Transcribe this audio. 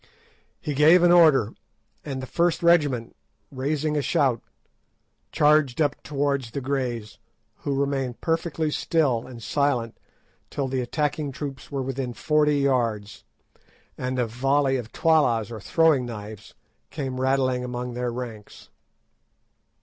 He gave an order, and the first regiment, raising a shout, charged up towards the Greys, who remained perfectly still and silent till the attacking troops were within forty yards, and a volley of tollas, or throwing knives, came rattling among their ranks.